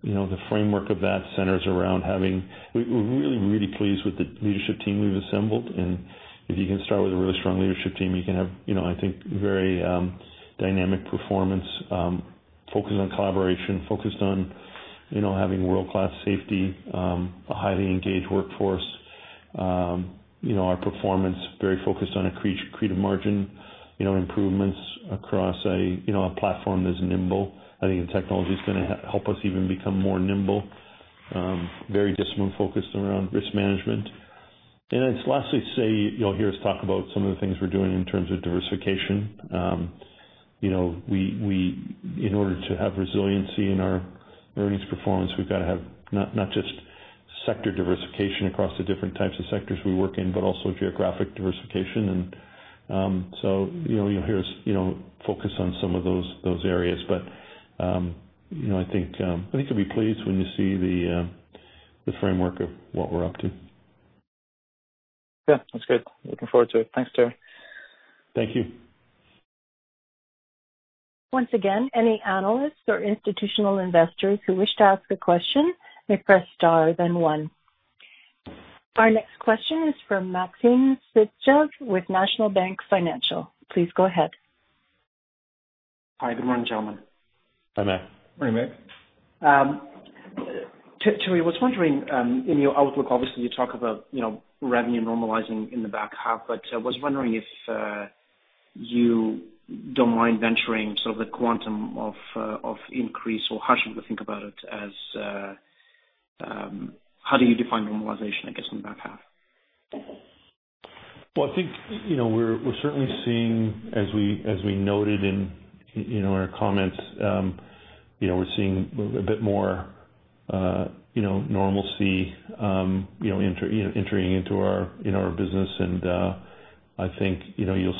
The framework of that centers around having. We're really pleased with the leadership team we've assembled. If you can start with a really strong leadership team, you can have a very dynamic performance, focused on collaboration, focused on having world-class safety, and a highly engaged workforce. Our performance is very focused on accretive margin improvements across a platform that's nimble. I think the technology's going to help us even become more nimble. Very disciplined, focused on risk management. I'd lastly say, you'll hear us talk about some of the things we're doing in terms of diversification. In order to have resiliency in our earnings performance, we've got to have not just sector diversification across the different types of sectors we work in, but also geographic diversification. You'll hear us focus on some of those areas. I think you'll be pleased when you see the framework of what we're up to. Yeah. That's good. Looking forward to it. Thanks, Teri. Thank you. Once again, any analysts or institutional investors who wish to ask a question may press star then one. Our next question is from Maxim Sytchev with National Bank Financial. Please go ahead. Hi. Good morning, gentlemen. Hi, Max. Morning, Max. Teri, I was wondering, in your outlook, obviously you talk about revenue normalizing in the back half, but I was wondering if you don't mind venturing, sort of the quantum of increase or how we should think about it, as how you define normalization, I guess, in the back half? Well, I think we're certainly seeing, as we noted in our comments, we're seeing a bit more normalcy entering into our business. I think you'll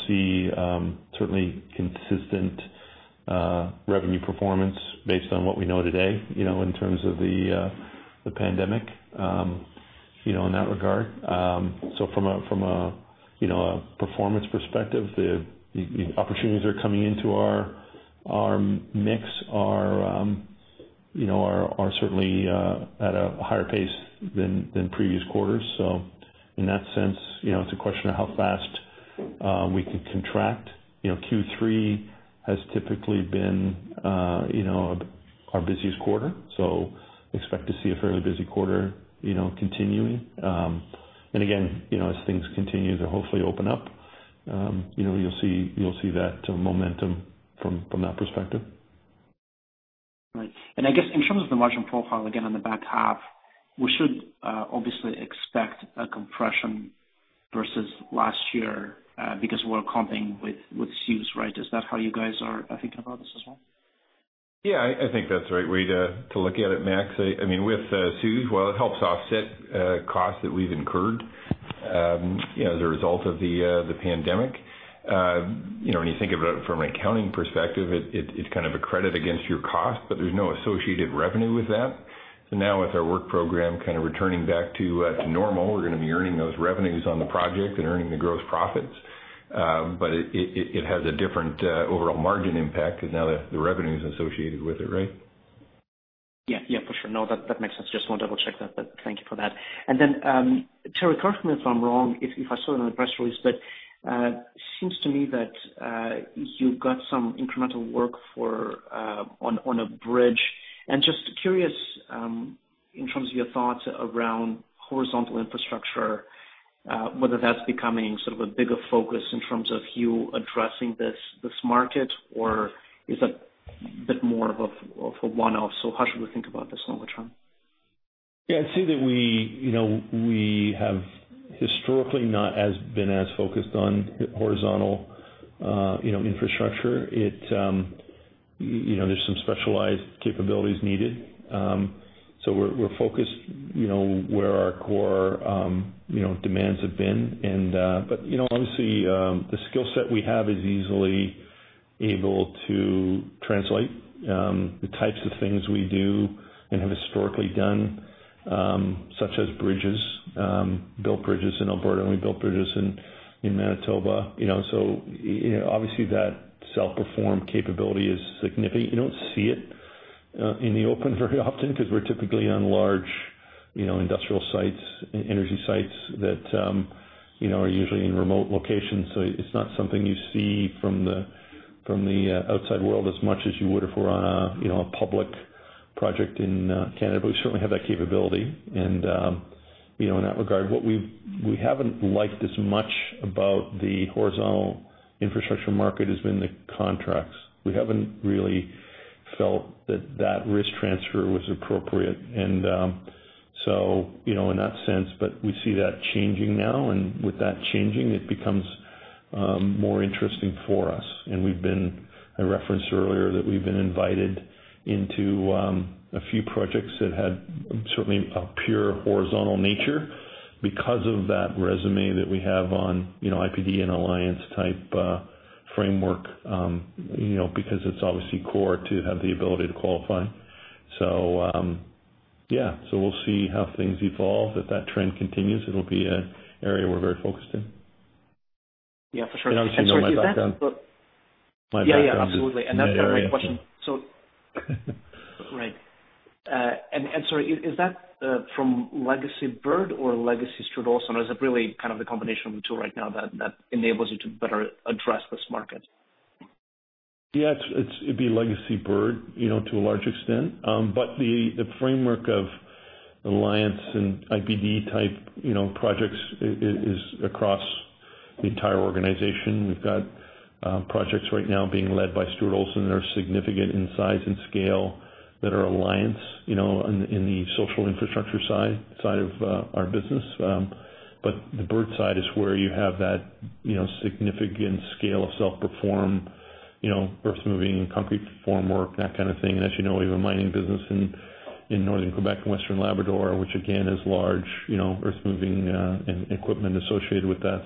certainly see consistent revenue performance based on what we know today in terms of the pandemic in that regard. From a performance perspective, the opportunities that are coming into our mix are certainly at a higher pace than in previous quarters. In that sense, it's a question of how fast we can contract. Q3 has typically been our busiest quarter, so expect to see a fairly busy quarter continuing. Again, as things continue to hopefully open up, you'll see that momentum from that perspective. Right. I guess in terms of the margin profile, again, on the back half, we should obviously expect a compression versus last year because we're comping with CEWS, right? Is that how you guys are thinking about this as well? Yeah, I think that's the right way to look at it, Max. With CEWS, while it helps offset costs that we've incurred as a result of the pandemic, when you think of it from an accounting perspective, it's kind of a credit against your cost; there's no associated revenue with that. Now that our work program kind of returning back to normal, we're going to be earning those revenues on the project and earning the gross profits. It has a different overall margin impact because now the revenue is associated with it, right? Yeah, for sure. No, that makes sense. Just want to double-check that, but thank you for that. Teri, correct me if I'm wrong, if I saw it on the press release, but it seems to me that you've got some incremental work on a bridge. Just curious, in terms of your thoughts around horizontal infrastructure, whether that's becoming sort of a bigger focus in terms of you addressing this market, or is that a bit more of a one-off? How should we think about this longer term? Yeah. I'd say that we have historically not been as focused on horizontal infrastructure. There are some specialized capabilities needed. We're focused on where our core demands have been. Obviously, the skill set we have is easily able to translate the types of things we do and have historically done, such as bridges. We built bridges in Alberta, and we built bridges in Manitoba. Obviously, that self-perform capability is significant. You don't see it in the open very often because we're typically on large industrial sites, energy sites that are usually in remote locations. It's not something you see from the outside world as much as you would if we're on a public project in Canada, but we certainly have that capability. In that regard, what we haven't liked as much about the horizontal infrastructure market has been the contracts. We haven't really felt that the risk transfer was appropriate. In that sense, but we see that changing now. With that change, it becomes more interesting for us. I referenced earlier that we've been invited into a few projects that had certainly a pure horizontal nature because of the resume that we have on IPD and alliance-type framework, because it's obviously core to have the ability to qualify. Yeah. We'll see how things evolve. If that trend continues, it'll be an area we're very focused on. Yeah, for sure. Sorry, is that- Obviously, my background is in that area. Yeah, absolutely. That's a great question. Right. Sorry, is that from legacy Bird or legacy Stuart Olson, or is it really kind of the combination of the two right now that enables you to better address this market? Yeah, it'd be legacy Bird to a large extent. The framework of alliance and IPD-type projects is across the entire organization. We've got projects right now being led by Stuart Olson that are significant in size and scale, that are in alliance with the social infrastructure side of our business. The Bird side is where you have that significant scale of self-perform, earth moving, concrete formwork, that kind of thing. As you know, we have a mining business in Northern Quebec and Western Labrador, which again is large earth-moving and equipment associated with that.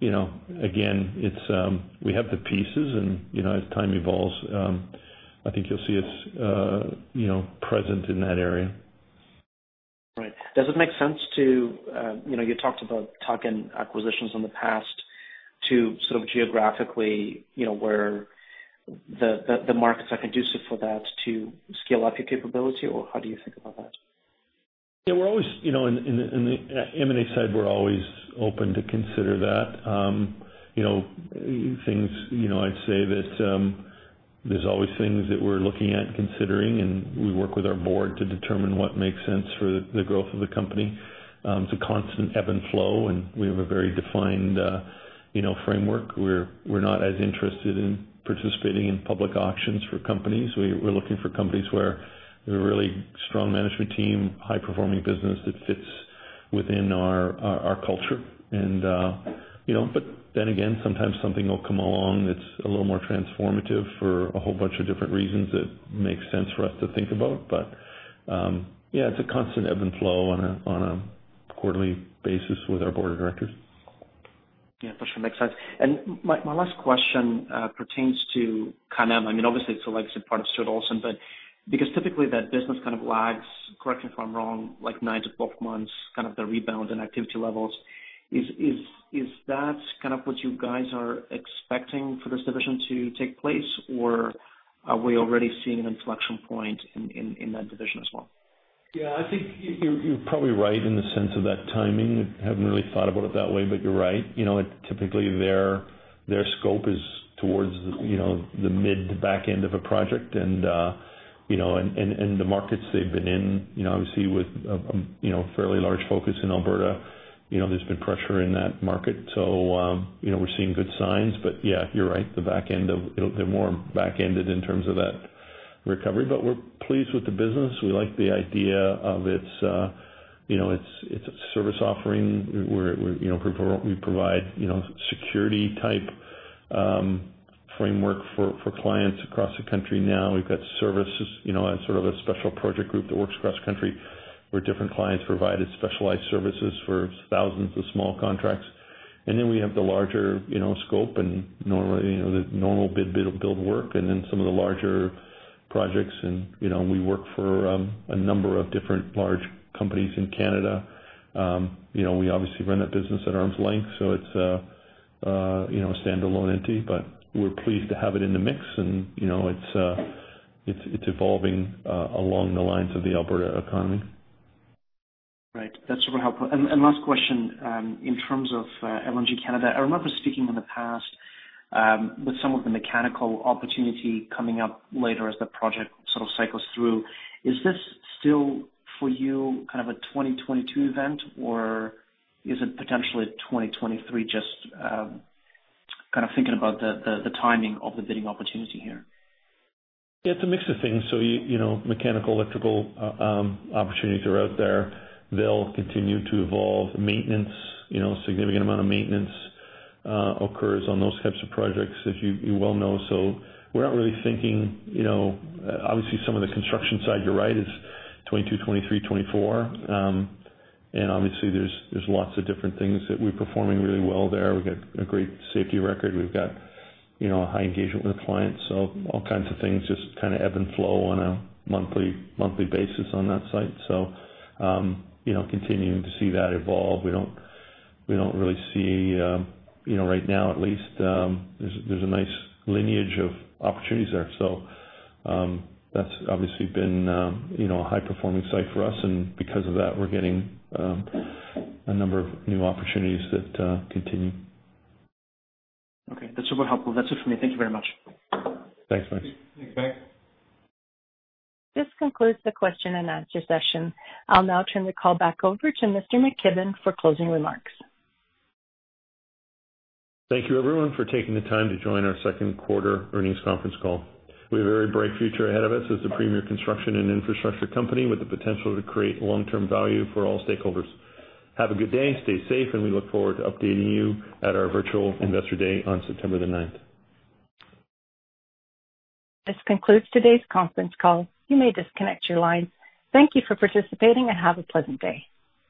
Again, we have the pieces and, as time evolves, I think you'll see it's present in that area. Right. Does it make sense to you to talk about tuck-in acquisitions in the past, to sort of geographically, where the markets are conducive for that to scale up your capability, or how do you think about that? Yeah. On the M&A side, we're always open to considering that. I'd say that there are always things that we're looking at and considering, and we work with our board to determine what makes sense for the growth of the company. It's a constant ebb and flow, and we have a very defined framework. We're not as interested in participating in public auctions for companies. We're looking for companies where there's a really strong management team, a high-performing business that fits within our culture. Again, sometimes something will come along that's a little more transformative for a whole bunch of different reasons that make sense for us to think about. Yeah, it's a constant ebb and flow on a quarterly basis with our Board of Directors. Yeah, for sure. Makes sense. My last question pertains to Canem. Obviously, it's a legacy part of Stuart Olson, but because typically that business kind of lags, correct me if I'm wrong, like nine to 12 months, kind of the rebound in activity levels. Is that kind of what you guys are expecting for this division to take place, or are we already seeing an inflection point in that division as well? Yeah, I think you're probably right in the sense of that timing. I haven't really thought about it that way, but you're right. Typically, their scope is towards the mid to back end of a project. The markets they've been in, obviously, with a fairly large focus in Alberta, there's been pressure in that market. We're seeing good signs. Yeah, you're right, they're more back-ended in terms of that recovery. We're pleased with the business. We like the idea of its service offering, where we provide a security-type framework for clients across the country now. We've got services and a sort of special project group that works across the country, where different clients provide specialized services for thousands of small contracts. Then we have the larger scope and the normal bid build work, and then some of the larger projects, and we work for a number of different large companies in Canada. We obviously run that business at arm's length, so it's a standalone entity, but we're pleased to have it in the mix, and it's evolving along the lines of the Alberta economy. Right. That's super helpful. Last question, in terms of LNG Canada, I remember speaking in the past with some of the mechanical opportunities coming up later as the project sort of cycles through. Is this still for you, kind of a 2022 event, or is it potentially 2023? Just kind of thinking about the timing of the bidding opportunity here. It's a mix of things. Mechanical and electrical opportunities are out there. They'll continue to evolve. Maintenance, a significant amount of maintenance occurs on those types of projects, as you well know. We're not really thinking, obviously, some of the construction side, you're right, is 2022, 2023, 2024. Obviously, there are lots of different things that we're performing really well there. We've got a great safety record. We've got a high engagement with clients. All kinds of things just kind of ebb and flow on a monthly basis on that site. Continuing to see that evolve, we don't really see, right now at least, there's a nice lineage of opportunities there. That's obviously been a high-performing site for us, and because of that, we're getting a number of new opportunities that continue. Okay, that's super helpful. That's it for me. Thank you very much. Thanks, Max. Thanks, Max. This concludes the question-and-answer session. I'll now turn the call back over to Mr. McKibbon for closing remarks. Thank you, everyone, for taking the time to join our second quarter earnings conference call. We have a very bright future ahead of us as the premier construction and infrastructure company with the potential to create long-term value for all stakeholders. Have a good day, stay safe, and we look forward to updating you at our virtual Investor Day on September 9th. This concludes today's conference call. You may disconnect your line. Thank you for participating, and have a pleasant day.